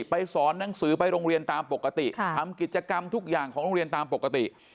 ไปสอนหนังสือไปโรงเรียนตามปกติทำกิจกรรมทุกอย่างของโรงเรียนตามปกติ